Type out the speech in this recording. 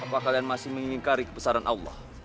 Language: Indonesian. apa kalian masih menginginkari kebesaran allah